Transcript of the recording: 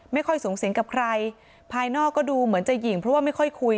ไม่ค่อยสูงสิงกับใครภายนอกก็ดูเหมือนจะหญิงเพราะว่าไม่ค่อยคุย